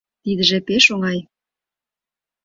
Тидыже пеш оҥай.